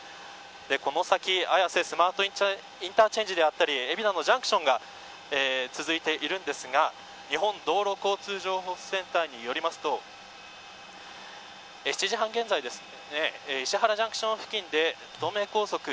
この先、綾瀬スマートインターチェンジであったり海老名のジャンクションが続いているんですが日本道路交通情報センターによりますと７時半現在ですね